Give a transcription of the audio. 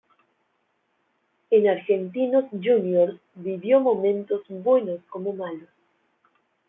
En Argentinos Juniors vivió momentos buenos como malos.